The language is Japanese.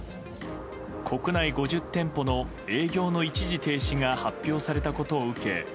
国内５０店舗の営業の一時停止が発表されたことを受け